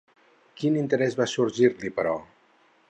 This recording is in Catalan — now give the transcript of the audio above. Quin interès va sorgir-li, però?